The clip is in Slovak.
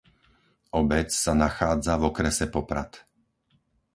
Obec sa nachádza v okrese Poprad.